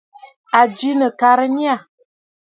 À jɨ nɨ̀karə̀ nâ.